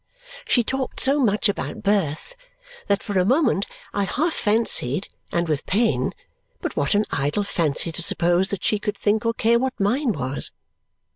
She talked so much about birth that for a moment I half fancied, and with pain But what an idle fancy to suppose that she could think or care what MINE was!